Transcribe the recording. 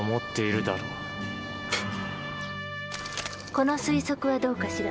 この推測はどうかしら？